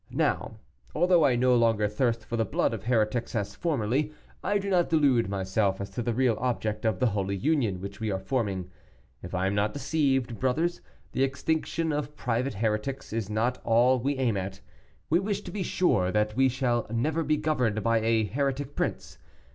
Now, although I no longer thirst for the blood of heretics as formerly, I do not delude myself as to the real object of the holy Union which we are forming. If I am not deceived, brothers, the extinction of private heretics is not all we aim at. We wish to be sure that we shall never be governed by a heretic prince.